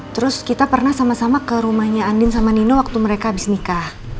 terus kita pernah sama sama ke rumahnya andin sama nino waktu mereka habis nikah